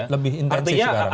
lebih intensif sekarang